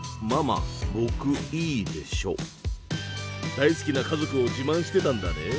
大好きな家族を自慢してたんだね。